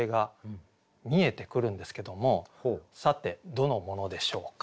さてどのモノでしょうか。